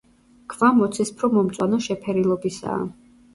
ქვა მოცისფრო–მომწვანო შეფერილობისაა.